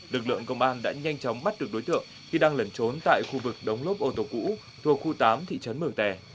lực lượng công an đã nhanh chóng bắt được đối tượng khi đang lẩn trốn tại khu vực đống lốp ô tô cũ thuộc khu tám thị trấn mường tè